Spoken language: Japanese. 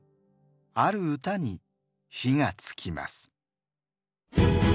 ある歌に火がつきます。